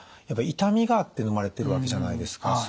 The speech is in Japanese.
やっぱ痛みがあってのまれてるわけじゃないですか。